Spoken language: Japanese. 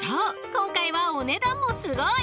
今回はお値段もすごい］